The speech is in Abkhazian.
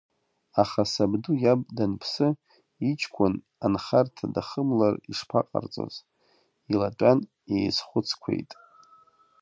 Аха сабду иаб данԥсы, иҷкәын анхарҭа дахымлар ишԥаҟарҵоз, илатәан еизхәыцқәеит.